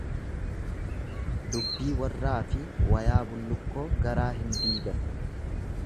Dubbii warraafi wayaa bullukkoo garaa hin diigan.